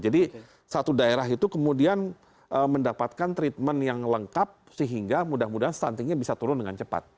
jadi satu daerah itu kemudian mendapatkan treatment yang lengkap sehingga mudah mudahan stuntingnya bisa turun dengan cepat